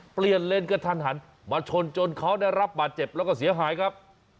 เปลี่ยนเลนกระทันหันมาชนจนเขาได้รับบาดเจ็บแล้วก็เสียหายครับ